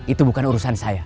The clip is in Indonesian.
itu bukan urusan saya